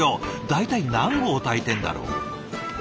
大体何合炊いてんだろう。